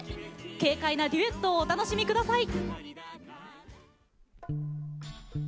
軽快なデュエットをお楽しみください。